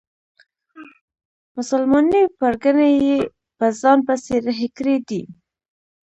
مسلمانې پرګنې یې په ځان پسې رهي کړي دي.